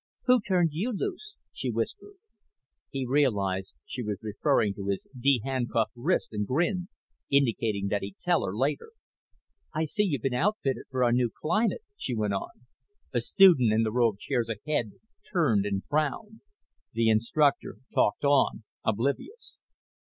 "Who turned you loose?" she whispered. He realized she was referring to his de handcuffed wrist and grinned, indicating that he'd tell her later. "I see you've been outfitted for our new climate," she went on. A student in the row of chairs ahead turned and frowned. The instructor talked on, oblivious.